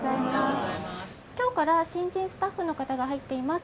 きょうから新人スタッフのかたが入っています。